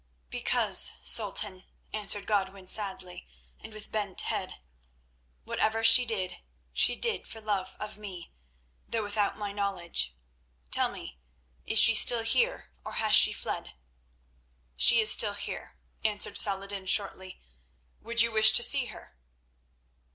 "Because, Sultan," answered Godwin sadly, and with bent head, "whatever she did, she did for love of me, though without my knowledge. Tell me, is she still here, or has she fled?" "She is still here," answered Saladin shortly. "Would you wish to see her?"